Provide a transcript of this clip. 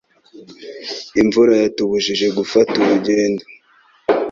Imvura yatubujije gufata urugendo.